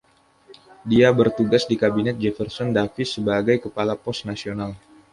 Dia bertugas di kabinet Jefferson Davis sebagai Kepala Pos Nasional.